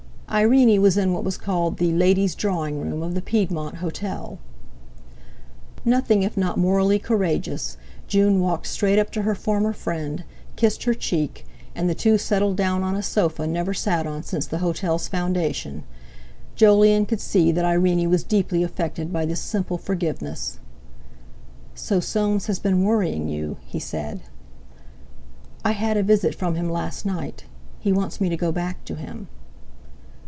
Irene was in what was called the "Ladies' drawing room" of the Piedmont Hotel. Nothing if not morally courageous, June walked straight up to her former friend, kissed her cheek, and the two settled down on a sofa never sat on since the hotel's foundation. Jolyon could see that Irene was deeply affected by this simple forgiveness. "So Soames has been worrying you?" he said. "I had a visit from him last night; he wants me to go back to him."